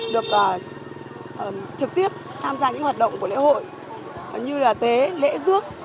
được trực tiếp tham gia những hoạt động của lễ hội như là tế lễ dước